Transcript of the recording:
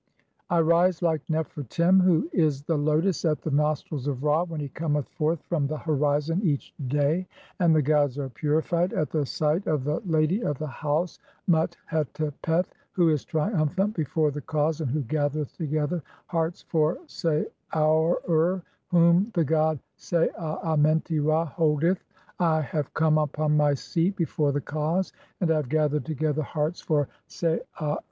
(15) I rise like Nefer Tem, who is the lotus at the "nostrils of Ra, when he cometh forth from the horizon each "day ; and the gods are purified at the (16) sight of the lady "of the house Mut hetepeth, who is triumphant before the Kas "and who gathereth together hearts for Saau ur, whom (17) the "god, Saa Amenti Ra, holdeth(?). I have come upon my seat "before the Kas, and I have gathered together hearts for Saa THE CHAPTER OF NOT DYING A SECOND TIME.